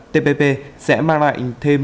tpp sẽ mang lại thêm